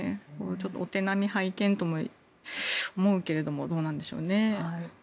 お手並み拝見とも思うけれどもどうなんでしょうね。